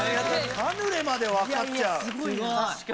カヌレまで分かっちゃう⁉すごいな！